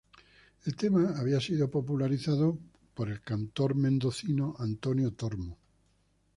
El tema había sido popularizado por el cantor mendocino Antonio Tormo.